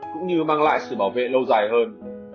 cũng như mang lại sự bảo vệ lâu dài hơn